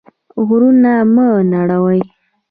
غرونه مه نړوه.